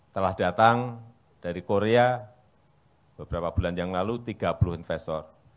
telah datang dari korea beberapa bulan yang lalu tiga puluh investor